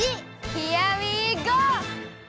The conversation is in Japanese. ヒアウィーゴー！